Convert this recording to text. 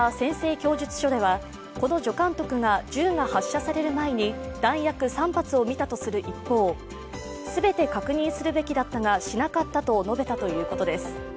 供述書では、この助監督が銃が発射される前に弾薬３発を見たとする一方、全て確認するべきだったがしなかったと述べたということです。